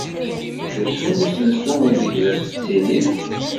D acu n usensu aydeg la tettilimt?